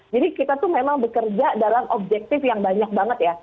jadi kita tuh memang bekerja dalam objektif yang banyak banget ya